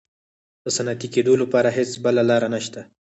د صنعتي کېدو لپاره هېڅ بله لار نشته.